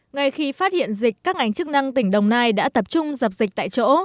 ngay khi phát hiện dịch các ngành chức năng tỉnh đồng nai đã tập trung dập dịch tại chỗ